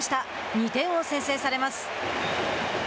２点を先制されます。